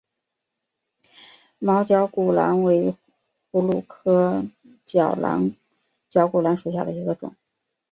毛绞股蓝为葫芦科绞股蓝属下的一个种。